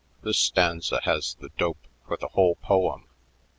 This stanza has the dope for the whole poem."